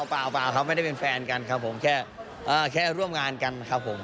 เปล่าครับไม่ได้เป็นแฟนกันครับผมแค่ร่วมงานกันครับผม